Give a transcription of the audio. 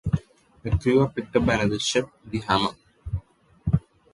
The crew are picked up by another ship, the "Hammer".